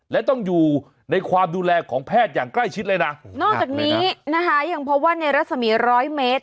และต้องอยู่ในความดูแลของแพทย์อย่างใกล้ชิดเลยนะนอกจากนี้นะคะยังพบว่าในรัศมีร้อยเมตร